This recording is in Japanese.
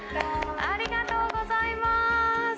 ありがとうございます。